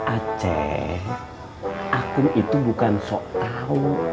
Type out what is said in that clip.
aceh akum itu bukan sok tau